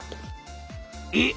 えっ！